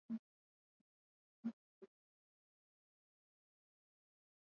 Asilimia nane mwezi Juni